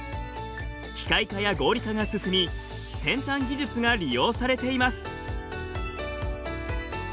機械化や合理化が進み先端技術が利用されています。